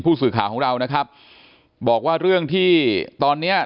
ผู้สื่อข่าวของเรานะครับบอกว่าเรื่องที่ตอนเนี้ย